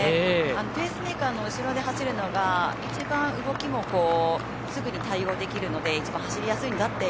ペースメーカーの後ろで走るのが一番動きもすぐに対応できるので一番走りやすいんだって